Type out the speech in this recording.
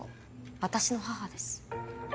私の母です。